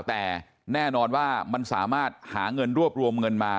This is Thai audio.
แต่แน่นอนว่ามันสามารถหาเงินรวบรวมเงินมา